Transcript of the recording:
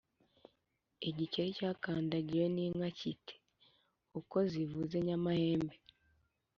Igikeri cyakandagiwe n’inka kiti: uko zivuze nyamahembe.